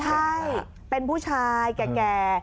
ใช่เป็นผู้ชายแก่